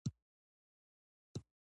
د کوز کونړ وریجې لري